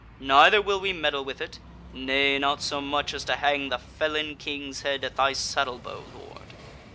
Neither will we meddle with it; nay, not so much as to hang the felon King's head at thy saddle bow, lord."